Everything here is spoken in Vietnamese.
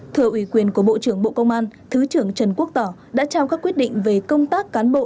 thưa ủy quyền của bộ trưởng bộ công an thứ trưởng trần quốc tỏ đã trao các quyết định về công tác cán bộ